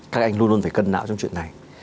các anh luôn luôn phải cân não trong chuyện này